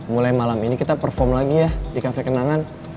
mulai malam ini kita perform lagi ya di kafe kenangan